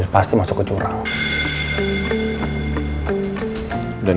pasti masuk ke jurang dan